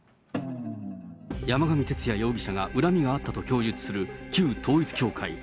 山上徹也容疑者が恨みがあったと供述する旧統一教会。